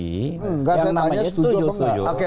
nggak saya tanya setuju apa nggak